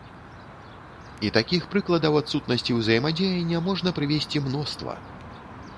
І такіх прыкладаў адсутнасці ўзаемадзеяння можна прывесці мноства.